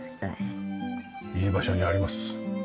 いい場所にあります。